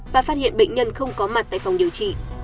và phát hiện bệnh nhân không có mặt tại phòng điều trị